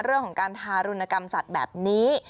เรื่องของการทารุณกรรมสัตว์แบบนี้